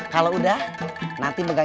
kalau udah jangan